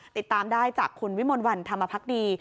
ติดตามได้จากคุณวิมลวันธรรมพักดี